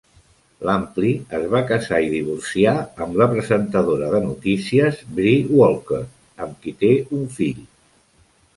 Lampley es va casar i divorciar amb la presentadora de notícies Bree Walker, amb qui té un fill.